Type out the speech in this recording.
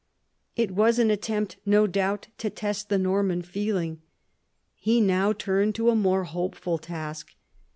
It was an attempt, no doubt, to test the Norman feeling. He now turned to a more hopeful task.